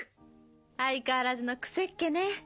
相変わらずのクセっ毛ね